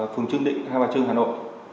phường trương định hai bà trương hà nội